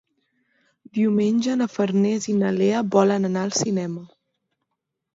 Diumenge na Farners i na Lea volen anar al cinema.